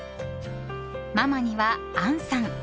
ママには杏さん。